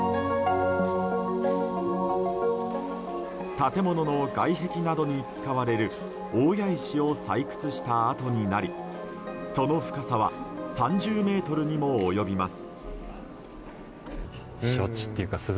建物の外壁などに使われる大谷石を採掘した跡になりその深さは３０ｍにも及びます。